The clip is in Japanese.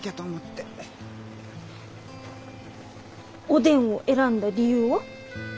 おでんを選んだ理由は？